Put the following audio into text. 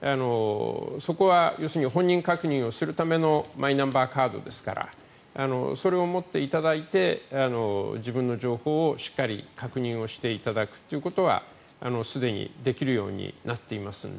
そこは本人確認をするためのマイナンバーカードですからそれを持っていただいて自分の情報をしっかり確認していただくということはすでにできるようになっていますので。